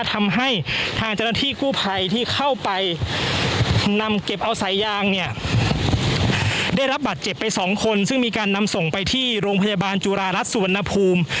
ทำให้ทางเจ้าหน้าที่กู้ภัยที่เข้าไปนำเก็บเอาสายยางเนี่ยได้รับบัตรเจ็บไปสองคนซึ่งมีการนำส่งไปที่โรงพยาบาลจุฬารัฐสุวรรณภูมิ